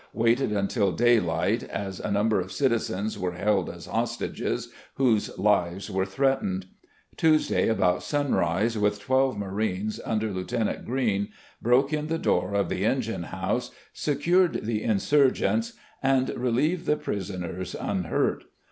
Waited until daylight, as a number of citizens were held as hostages, whose lives were threatened. Tuesday about simrise, with twelve marines, under Lieutenant Green, broke in the door of the engine house, secured the insurgents, and relieved the prisoners unhurt.